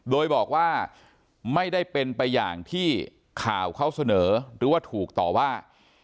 โดยบอกว่าไม่ได้เป็นไปอย่างที่ข่าวเขาเสนอหรือว่าถูกต่อว่า